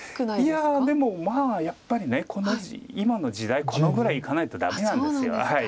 いやでもまあやっぱり今の時代このぐらいいかないとダメなんです。